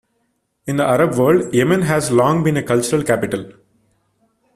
In the Arab world, Yemen has long been a cultural capital.